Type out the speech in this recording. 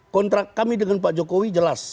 kontrak kami dengan pak jokowi jelas